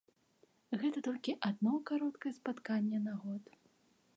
Гэта толькі адно кароткае спатканне на год.